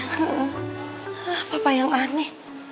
eh papa yang aneh